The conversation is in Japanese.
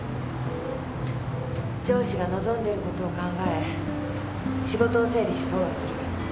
上司が望んでることを考え仕事を整理しフォローする。